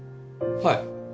はい。